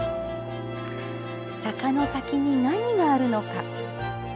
坂の先に、何があるのか。